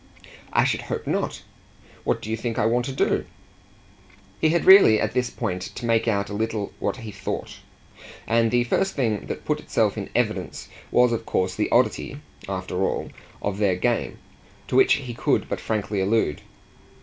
"I should hope not! What do you think I want to do?" He had really at this to make out a little what he thought, and the first thing that put itself in evidence was of course the oddity, after all, of their game, to which he could but frankly allude.